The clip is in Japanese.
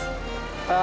ああ！